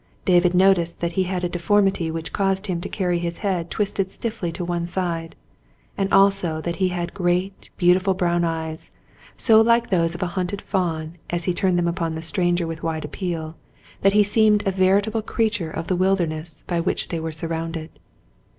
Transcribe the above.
David noticed that he had a deformity which caused him to carry his head twisted stiffly to one side, and also that he had great, beautiful brown eyes, so like those of a hunted fawn as he turned them upon the stranger with wide appeal, that he seemed a veritable creature of the wilderness by which they were surrounded.